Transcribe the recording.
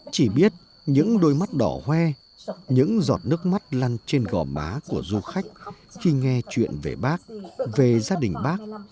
chỉ biết những đôi mắt đỏ hoe những giọt nước mắt lăn trên gò má của du khách khi nghe chuyện về bác về gia đình bác